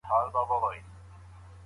په اُمید د مغفرت دي د کرم رحم مالِکه